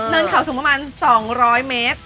เนินเขาสูงประมาณ๒๐๐เมตร